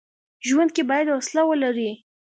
ژوند کي بايد حوصله ولري.